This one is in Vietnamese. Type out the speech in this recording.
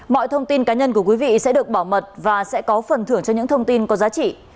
mọi thông tin cá nhân của quý vị sẽ được bảo mật và sẽ có phần thưởng cho những thông tin có giá trị